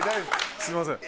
すみません。